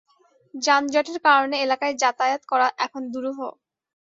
যানজটের কারণে এলাকায় যাতায়াত করা এখন দুরূহ।